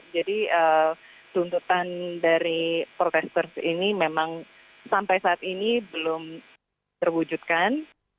jadi tuntutan dari protester ini memang sampai saat ini belum terwujudkan